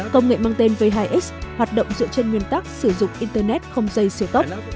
công nghệ mang tên v hai x hoạt động dựa trên nguyên tắc sử dụng internet không dây siêu tốc